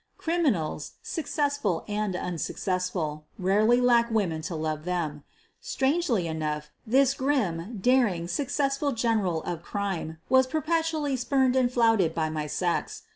Criminals, successful and unsuccessful, rarely lack women to love them. Strangely enough, this grim, daring, successful general of crime was per petually spurned and flouted by my sex.